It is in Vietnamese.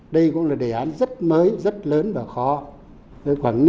đây cũng là đề án rất mới rất lớn và khó